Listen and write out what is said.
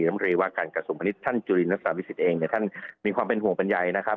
ลำรีว่าการกระสุนพนิษฐ์ท่านจุลินทราบิสิตเองเนี่ยท่านมีความเป็นห่วงบรรยายนะครับ